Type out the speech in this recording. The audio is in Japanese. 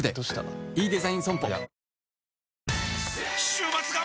週末が！！